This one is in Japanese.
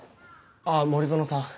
あぁ森園さん。